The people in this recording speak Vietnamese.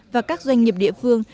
và các doanh nghiệp địa phương